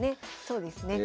そうですね。